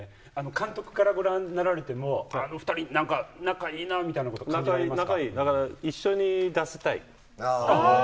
監督からご覧になられても、あの２人、なんか仲いいなみたいなことは感じられますか。